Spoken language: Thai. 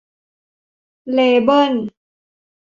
เลเบิ้น